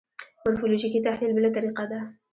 مورفولوژیکي تحلیل بله طریقه ده.